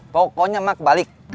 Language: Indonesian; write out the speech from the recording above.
pokoknya mak kebalik